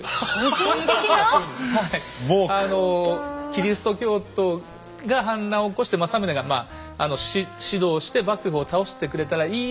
あのキリスト教徒が反乱を起こして政宗がまああの指導して幕府を倒してくれたらいいなっていう。